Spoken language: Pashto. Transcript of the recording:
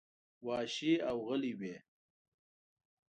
وحشي او غلي وې.